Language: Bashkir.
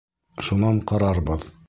Шунан ҡарарбыҙ.